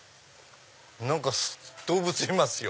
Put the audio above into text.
何か動物いますよ。